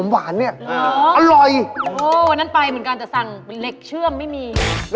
เบอร์เกอรี่ง่ะชอบเบอร์เกอรี่